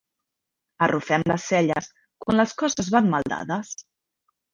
Arrufem les celles quan les coses van mal dades.